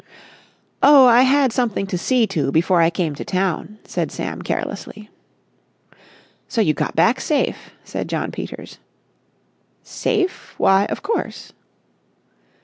"Oh, I had something to see to before I came to town," said Sam carelessly. "So you got back safe!" said John Peters. "Safe! Why, of course."